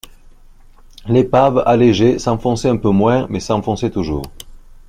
L’épave, allégée, s’enfonçait un peu moins, mais s’enfonçait toujours.